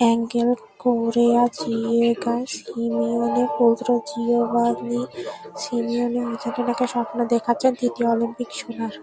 Angle Correa, Diego সিমিওনে-পুত্র Giovanni Simeone আর্জেন্টিনাকে স্বপ্ন দেখাচ্ছেন তৃতীয় অলিম্পিক সোনার।